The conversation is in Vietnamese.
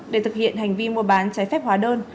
để thực hiện hành vi mua bán trái phép hóa đơn